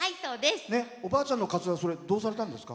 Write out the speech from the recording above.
おばあちゃんの、かつらそれ、どうされたんですか？